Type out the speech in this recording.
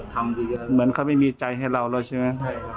เหมือนเขาไม่มีใจให้เราแล้วใช่ไหม